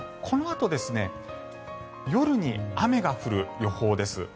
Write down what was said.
このあと夜に雨が降る予報です。